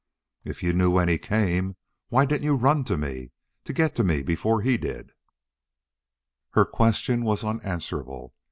"If you knew when he came why didn't you run to me to get to me before he did?" Her question was unanswerable.